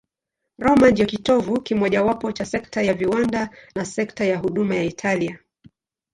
Roma ndiyo kitovu kimojawapo cha sekta ya viwanda na sekta ya huduma ya Italia.